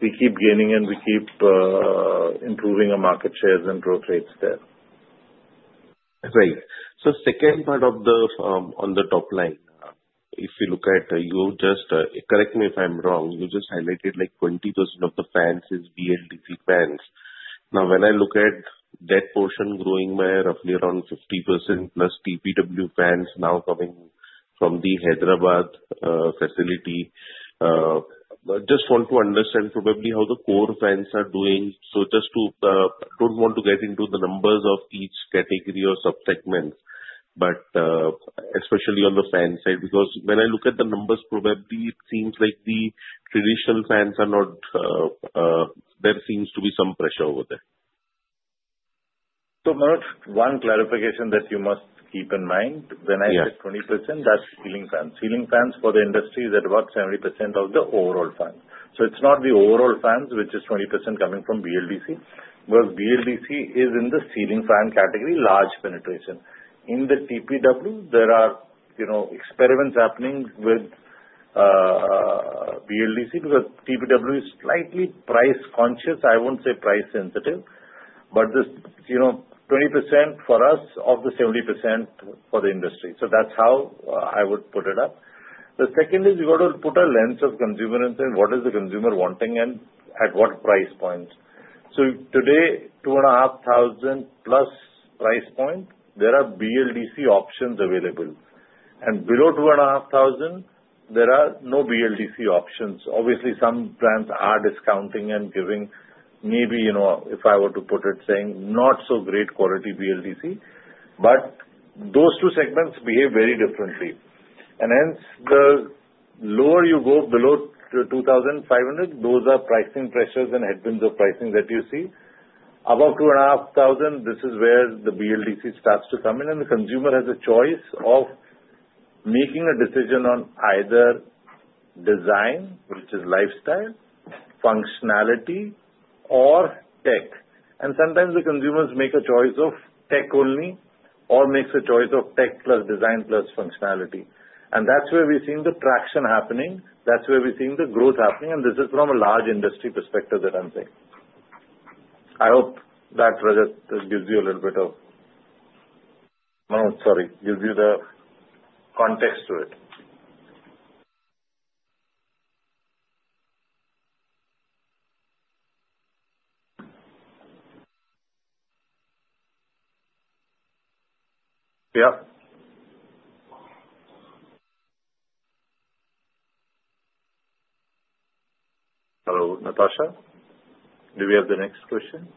we keep gaining and we keep improving our market shares and growth rates there. Great. The second part on the top line, if you look at, just correct me if I'm wrong. You just highlighted 20% of the fans is BLDC fans. Now, when I look at that portion growing by roughly around 50%, plus TPW fans now coming from the Hyderabad facility, I just want to understand probably how the core fans are doing. I do not want to get into the numbers of each category or subsegment, but especially on the fan side, because when I look at the numbers, probably it seems like the traditional fans are not, there seems to be some pressure over there. Manoj, one clarification that you must keep in mind. When I say 20%, that's ceiling fans. Ceiling fans for the industry is at about 70% of the overall fans. It is not the overall fans, which is 20% coming from BLDC, because BLDC is in the ceiling fan category, large penetration. In the TPW, there are experiments happening with BLDC because TPW is slightly price conscious. I will not say price sensitive, but 20% for us of the 70% for the industry. That is how I would put it up. The second is you have to put a lens of consumer and say, "What is the consumer wanting and at what price point?" Today, 2,500+ price point, there are BLDC options available. Below 2,500, there are no BLDC options. Obviously, some brands are discounting and giving maybe, if I were to put it, saying, not-so-great-quality BLDC. Those two segments behave very differently. Hence, the lower you go below 2,500, those are pricing pressures and headwinds of pricing that you see. Above 2,500, this is where the BLDC starts to come in. The consumer has a choice of making a decision on either design, which is lifestyle, functionality, or tech. Sometimes the consumers make a choice of tech only or make a choice of tech plus design plus functionality. That is where we are seeing the traction happening. That is where we are seeing the growth happening. This is from a large industry perspective that I am saying. I hope that, Rajat, gives you a little bit of Manoj, sorry, gives you the context to it. Yeah. Hello. Natasha, do we have the next question?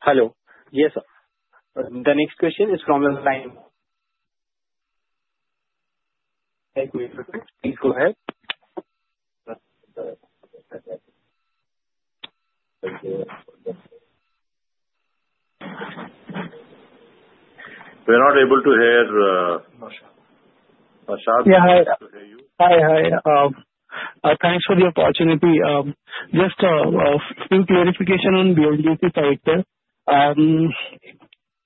Hello. Yes, sir. The next question is from the line. Please go ahead. We are not able to hear. [Naushad]. [Naushad] hear you. Yeah. Hi. Hi. Hi. Thanks for the opportunity. Just a few clarifications on BLDC side there.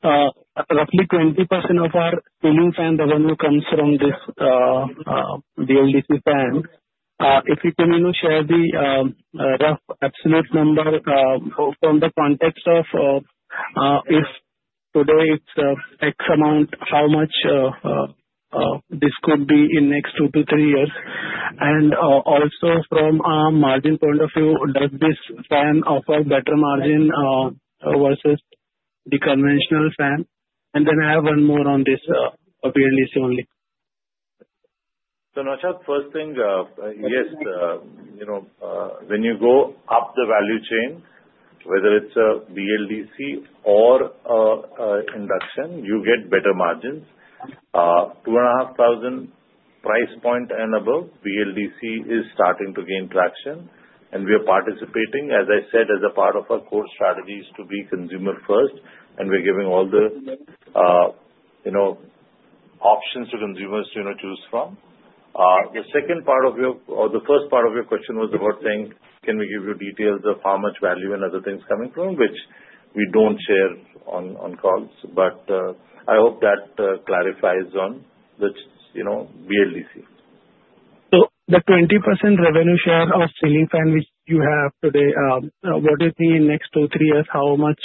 Roughly 20% of our ceiling fan revenue comes from this BLDC fan. If you can share the rough absolute number from the context of, if today it's X amount, how much this could be in next two-three years. Also, from a margin point of view, does this fan offer better margin versus the conventional fan? I have one more on this, BLDC only. [Naushad], first thing, yes, when you go up the value chain, whether it's a BLDC or induction, you get better margins. 2,500 price point and above, BLDC is starting to gain traction. We are participating. As I said, as a part of our core strategy is to be consumer first. We are giving all the options to consumers to choose from. The second part of your or the first part of your question was about saying can we give you details of how much value and other things coming from, which we don't share on calls. I hope that clarifies on BLDC. The 20% revenue share of ceiling fan which you have today, what do you think in next two, three years how much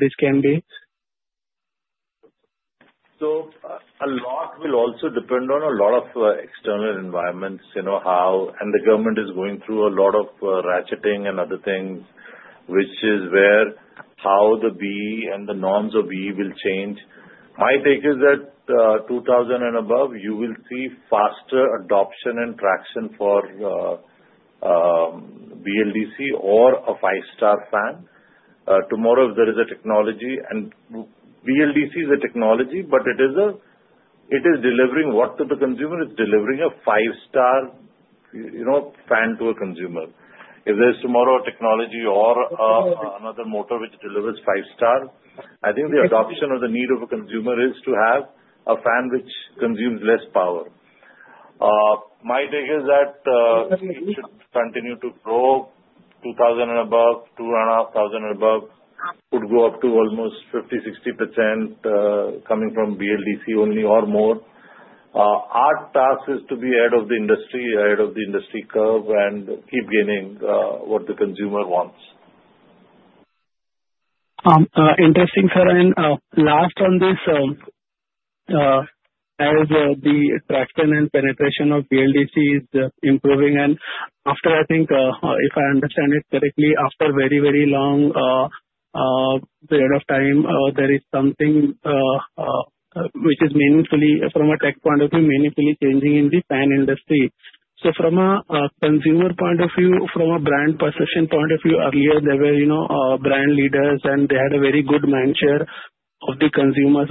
this can be? A lot will also depend on a lot of external environments. The government is going through a lot of ratcheting and other things, which is where how the BEE and the norms of BEE will change. My take is that 2,000 and above, you will see faster adoption and traction for BLDC or a five-star fan. Tomorrow, if there is a technology. And BLDC is a technology, but it is delivering what to the consumer? It's delivering a five-star fan to a consumer. If there is tomorrow a technology or another motor which delivers five stars, I think the adoption or the need of a consumer is to have a fan which consumes less power. My take is that it should continue to grow, 2,000 and above, 2,500 and above. It could go up to almost 50%, 60% coming from BLDC only or more. Our task is to be ahead of the industry, ahead of the industry curve, and keep gaining what the consumer wants. Interesting, sir. Last on this, as the traction and penetration of BLDC is improving, and after, I think, if I understand it correctly, after very, very long period of time, there is something which is meaningfully from a tech point of view, meaningfully changing in the fan industry. From a consumer point of view, from a brand perception point of view, earlier, there were brand leaders, and they had a very good mind share of the consumers.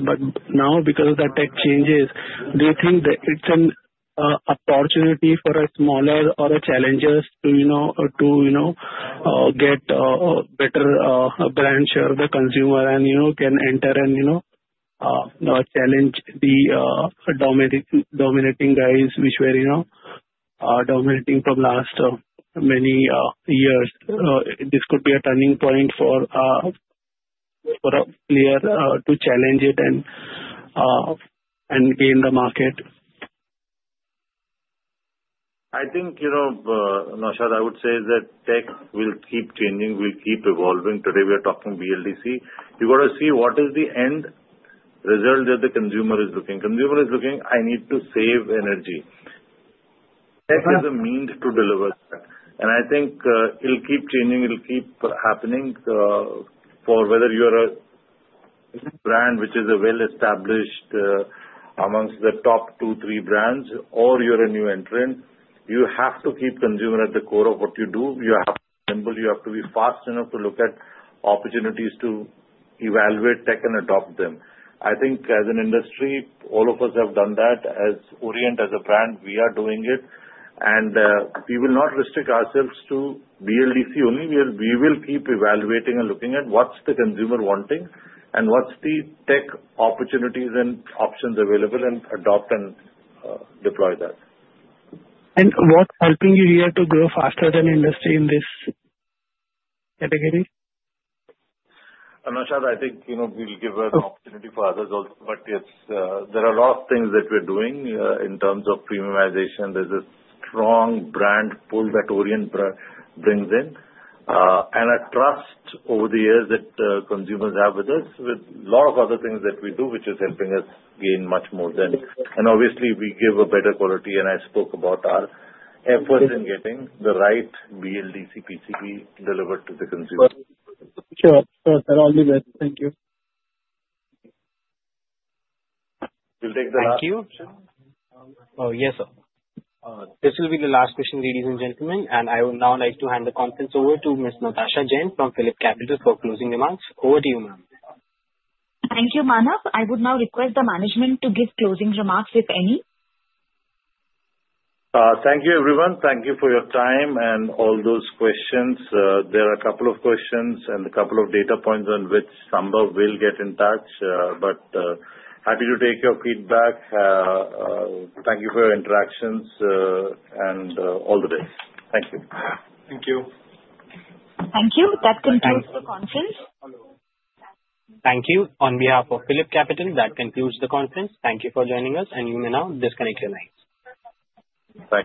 Now, because of the tech changes, do you think it's an opportunity for a smaller or a challenger to get a better brand share of the consumer and can enter and challenge the dominating guys which were dominating from last many years? This could be a turning point for a player to challenge it and gain the market. I think, [Naushad], I would say that tech will keep changing, will keep evolving. Today, we are talking BLDC. You got to see what is the end result that the consumer is looking. Consumer is looking, "I need to save energy." Tech is a means to deliver that. I think it'll keep changing. It'll keep happening. For whether you're a brand which is well established amongst the top two, three brands, or you're a new entrant, you have to keep consumer at the core of what you do. You have to be nimble. You have to be fast enough to look at opportunities to evaluate tech and adopt them. I think as an industry, all of us have done that. As Orient, as a brand, we are doing it. We will not restrict ourselves to BLDC only. We will keep evaluating and looking at what's the consumer wanting and what's the tech opportunities and options available and adopt and deploy that. What's helping you here to grow faster than industry in this category? [Naushad], I think we'll give an opportunity for others also. There are a lot of things that we're doing in terms of premiumization. There's a strong brand pull that Orient brings in. And a trust over the years that consumers have with us with a lot of other things that we do, which is helping us gain much more then. Obviously, we give a better quality. I spoke about our efforts in getting the right BLDC PCB delivered to the consumer. Sure. Sure. That will all be it. Thank you. We'll take the last question. Thank you. Oh, yes, sir. This will be the last question, ladies and gentlemen. I would now like to hand the conference over to Ms. Natasha Jain from PhillipCapital for closing remarks. Over to you, ma'am. Thank you, Manav. I would now request the management to give closing remarks, if any. Thank you, everyone. Thank you for your time and all those questions. There are a couple of questions and a couple of data points on which Sambhav will get in touch. Happy to take your feedback. Thank you for your interactions and all the best. Thank you. Thank you. Thank you. That concludes the conference. Thank you. On behalf of PhillipCapital, that concludes the conference. Thank you for joining us. You may now disconnect your lines.